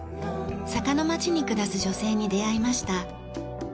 坂の街に暮らす女性に出会いました。